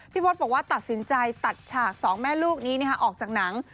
พศบอกว่าตัดสินใจตัดฉากสองแม่ลูกนี้ออกจากหนัง